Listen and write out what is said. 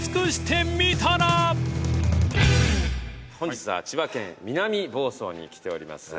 本日は千葉県南房総に来ております。